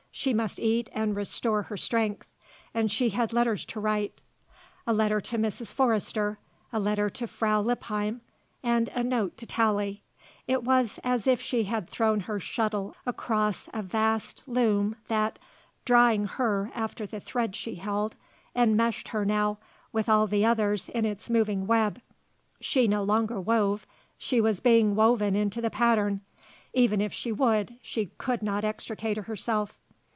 She must eat and restore her strength. And she had letters to write; a letter to Mrs. Forrester, a letter to Frau Lippheim, and a note to Tallie. It was as if she had thrown her shuttle across a vast loom that, drawing her after the thread she held, enmeshed her now with all the others in its moving web. She no longer wove; she was being woven into the pattern. Even if she would she could not extricate herself.